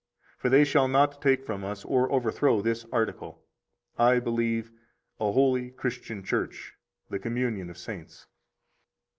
For they shall not take from us or overthrow this article: I believe a holy Christian Church, the communion of saints.